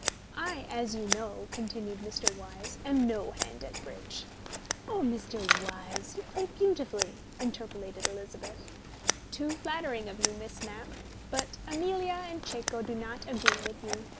"I, as you know," continued Mr. Wyse, "am no hand at bridge." "Oh, Mr. Wyse, you play beautifully," interpolated Elizabeth. "Too flattering of you, Miss Mapp. But Amelia and Cecco do not agree with you.